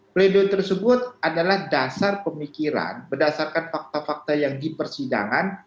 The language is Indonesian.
pledoi tersebut adalah dasar pemikiran berdasarkan fakta fakta yang di persidangan